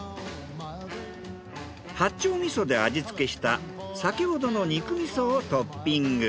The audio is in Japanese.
八丁味噌で味付けした先ほどの肉味噌をトッピング。